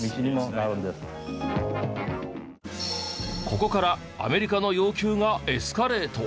ここからアメリカの要求がエスカレート。